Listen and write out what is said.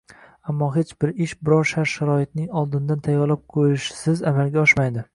Ammo hech bir ish biror shart-sharoitning oldindan tayyorlab qo’yilishisiz amalga oshmaydi